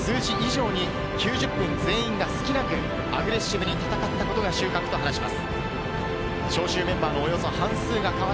ただ森保監督は数字以上に９０分全員が隙なくアグレッシブに戦ったことが収穫と話します。